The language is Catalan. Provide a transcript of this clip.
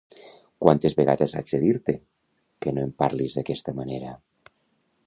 Quantes vegades haig de dir-te que no em parlis d'aquesta manera?